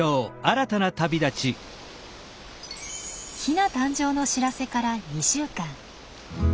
ヒナ誕生の知らせから２週間。